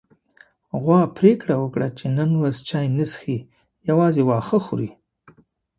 غوا پرېکړه وکړه چې نن ورځ چای نه څښي، يوازې واښه خوري.